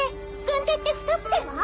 軍手って二つでは？